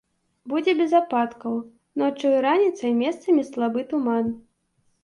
Будзе без ападкаў, ноччу і раніцай месцамі слабы туман.